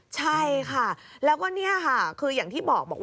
ใช่ค่ะคืออย่างที่บอก